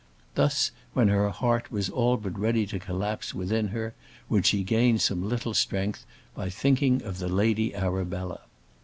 Thus, when her heart was all but ready to collapse within her, would she gain some little strength by thinking of the Lady Arabella.